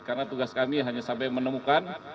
karena tugas kami hanya sampai menemukan